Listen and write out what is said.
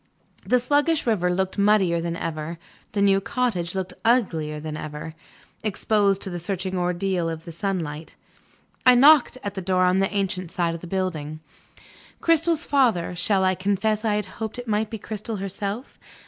The sluggish river looked muddier than ever, the new cottage looked uglier than ever, exposed to the searching ordeal of sunlight. I knocked at the door on the ancient side of the building. Cristel's father shall I confess I had hoped that it might be Cristel herself?